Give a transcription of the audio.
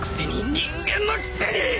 人間のくせに！